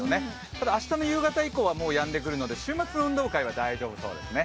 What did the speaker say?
ただ明日の夕方以降はもうやんでくるので、週末の運動会は大丈夫そうですね。